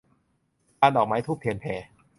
พานดอกไม้ธูปเทียนแพ